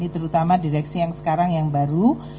terutama direksi yang sekarang yang baru